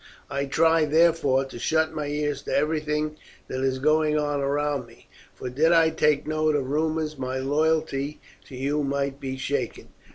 I try, therefore, to shut my ears to everything that is going on around me, for did I take note of rumours my loyalty to you might be shaken."